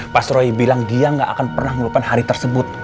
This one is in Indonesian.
mas roy bilang dia gak akan pernah melupakan hari tersebut